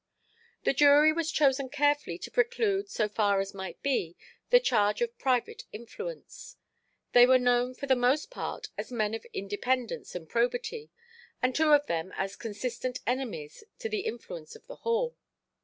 The jury was chosen carefully to preclude, so far as might be, the charge of private influence. They were known, for the most part, as men of independence and probity, and two of them as consistent enemies to the influence of the Hall.